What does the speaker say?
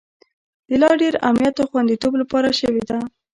د لا ډیر امنیت او خوندیتوب لپاره شوې ده